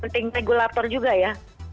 hunting regulator juga ya